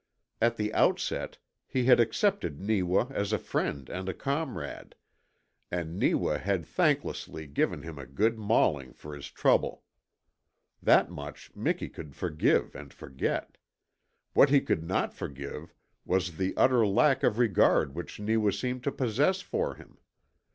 At the outset he had accepted Neewa as a friend and a comrade and Neewa had thanklessly given him a good mauling for his trouble. That much Miki could forgive and forget. What he could not forgive was the utter lack of regard which Neewa seemed to possess for him.